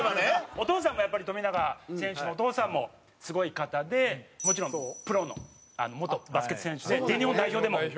お父さんがやっぱり富永選手のお父さんもすごい方でもちろんプロの元バスケット選手で全日本代表でも。